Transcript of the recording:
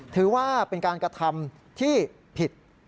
ถือว่าเป็นการกระทำที่ผิด